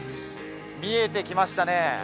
見えてきましたね